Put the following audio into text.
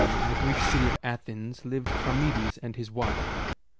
in the Greek city of Athens, lived Charmides and his wife.